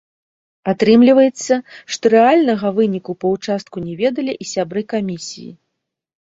Атрымліваецца, што рэальнага выніку па ўчастку не ведалі і сябры камісіі.